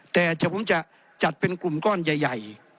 แต่ผมจะจัดเป็นกลุ่มก้อนใหญ่